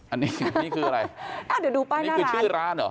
อันนี้คืออะไรอ่ะเดี๋ยวดูป้านหน้าร้านอันนี้คือชื่อร้านเหรอ